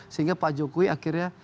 sehingga pak jokowi akhirnya